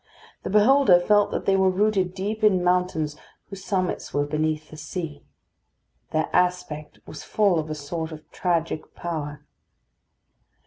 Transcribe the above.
The beholder felt that they were rooted deep in mountains whose summits were beneath the sea. Their aspect was full of a sort of tragic power.